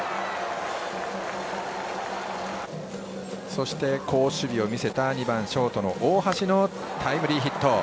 そして好守備を見せた２番ショート、大橋のタイムリーヒット。